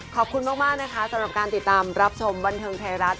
ขอบคุณมากนะคะสำหรับการติดตามรับชมบันเทิงไทยรัฐ